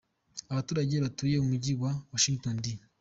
Abaturage batuye umujyi wa Washington D.